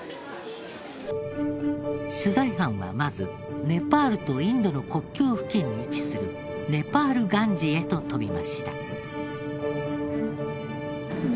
取材班はまずネパールとインドの国境付近に位置するネパールガンジへと飛びました。